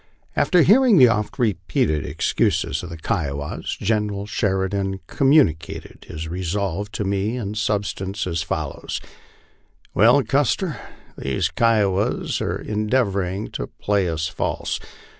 After hearing the oft repeated excuses of the Kiowas, General Sheridan communicated his resolve to me in substance as follows: "Well, Custer, these Kiowas are endeavoring to play us false.